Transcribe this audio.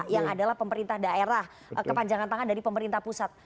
yang adalah pemerintah daerah kepanjangan tangan dari pemerintah pusat